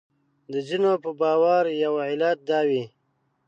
د ځینو په باور یو علت دا وي.